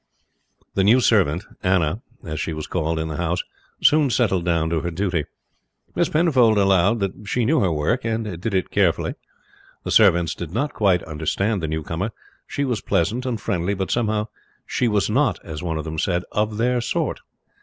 The new servant, Anna, as she was called in the house soon settled down to her duty. Miss Penfold allowed that she knew her work and did it carefully. The servants did not quite understand the newcomer. She was pleasant and friendly, but somehow "she was not," as one of them said, "of their sort."